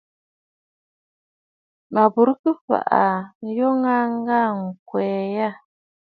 Mə bùrə kɨ fàʼà ǹloln aa ŋgaa ŋgwɛ̀ʼɛ̀ yâ.